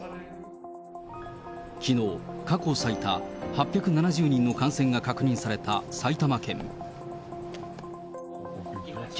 きのう、過去最多８７０人の感染が確認された埼玉県。